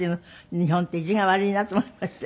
日本って意地が悪いなって思いましたよね。